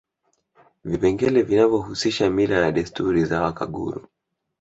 Vipengele vinavyohusisha mila na desturi za Wakaguru